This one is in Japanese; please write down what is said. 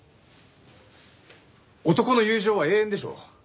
男の友情は永遠でしょ。